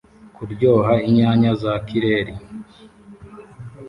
Kuryoha inyanya za kireri